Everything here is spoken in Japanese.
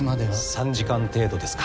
３時間程度ですか。